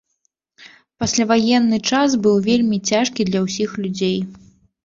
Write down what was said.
Пасляваенны час быў вельмі цяжкі для ўсіх людзей.